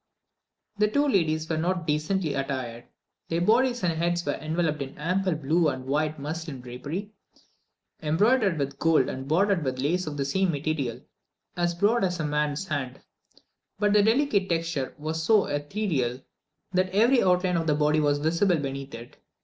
The two ladies were not very decently attired. Their bodies and heads were enveloped in ample blue and white muslin drapery, embroidered with gold, and bordered with lace of the same material as broad as a man's hand, but the delicate texture was so ethereal, that every outline of the body was visible beneath it.